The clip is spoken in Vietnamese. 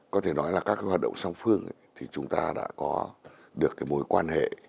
có thể nói là các hoạt động song phương thì chúng ta đã có được mối quan hệ